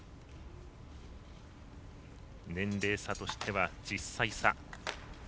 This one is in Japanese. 年齢差としては１０歳差。